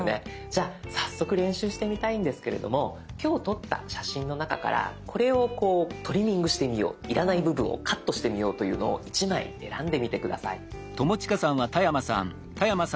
じゃあ早速練習してみたいんですけれども今日撮った写真の中からこれをこうトリミングしてみよう要らない部分をカットしてみようというのを１枚選んでみて下さい。